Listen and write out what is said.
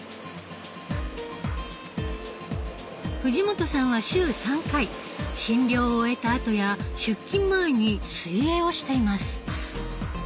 藤本さんは週３回診療を終えたあとや出勤前に水泳をしています。